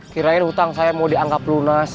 kirain hutang saya mau dianggap lunas